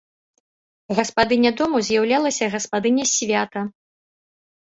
Гаспадыня дому з'яўлялася гаспадыняй свята.